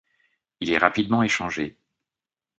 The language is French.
Il est rapidement échangé.